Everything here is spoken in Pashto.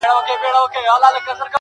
ښکلي واړه شهرت مومي په ځوانۍ کې